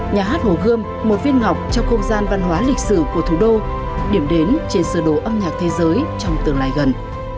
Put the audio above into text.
nhà hát hồ gươm một viên ngọc trong không gian văn hóa lịch sử của thủ đô điểm đến trên sơ đồ âm nhạc thế giới trong tương lai gần